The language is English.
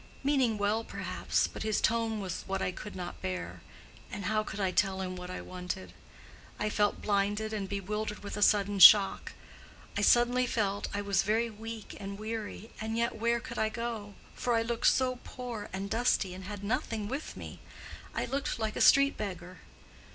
meaning well, perhaps. But his tone was what I could not bear; and how could I tell him what I wanted? I felt blinded and bewildered with a sudden shock. I suddenly felt that I was very weak and weary, and yet where could I go? for I looked so poor and dusty, and had nothing with me—I looked like a street beggar.